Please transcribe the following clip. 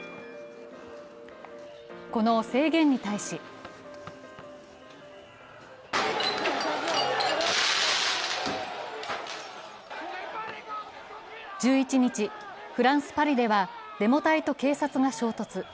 この制限に対し１１日、フランス・パリではデモ隊と警察が衝突。